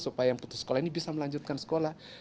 supaya yang putus sekolah ini bisa melanjutkan sekolah